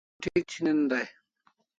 Emi moth'ik chinin dai